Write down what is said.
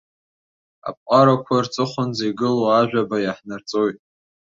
Аԥҟарақәа рҵыхәанӡа игылоу ажәаба иаҳнарҵоит.